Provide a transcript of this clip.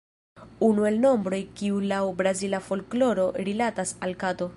Unu el nombroj kiu laŭ Brazila folkloro rilatas al kato.